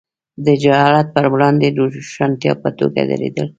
د جهالت پر وړاندې د روښانتیا په توګه درېدل.